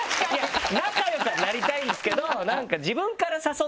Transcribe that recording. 仲良くはなりたいんですけど。